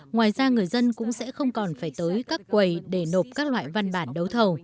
ngoài ra người dân cũng sẽ không còn phải tới các quầy để nộp các loại văn bản đấu thầu